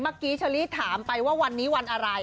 เมื่อกี้เชอรี่ถามไปว่าวันนี้วันอะไร